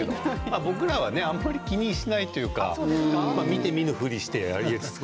僕らは、あまり気にしないというか見て見ぬふりをして。